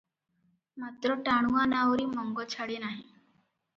ମାତ୍ର ଟାଣୁଆ ନାଉରି ମଙ୍ଗ ଛାଡ଼େ ନାହିଁ ।